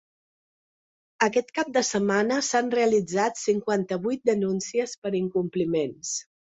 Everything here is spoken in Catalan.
Aquest cap de setmana, s’han realitzat cinquanta-vuit denúncies per incompliments.